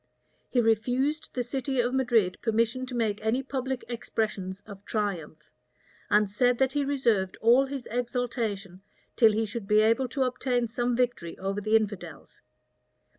[*] He refused the city of Madrid permission to make any public expressions of triumph; and said that he reserved all his exultation till he should he able to obtain some victory over the infidels.